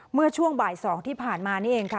เมื่อช่วงบ่าย๒ที่ผ่านมานี่เองค่ะ